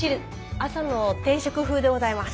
朝の定食風でございます。